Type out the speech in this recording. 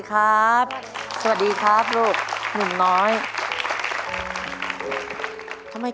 ขอต้อนรับครอบครัวน้องต้นไม้